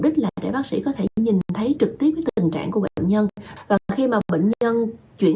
đích là để bác sĩ có thể nhìn thấy trực tiếp cái tình trạng của bệnh nhân và khi mà bệnh nhân chuyển